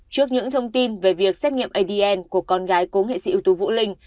trước những thông tin về việc xét nghiệm adn của con gái cố nghệ sĩ ưu tú vũ linh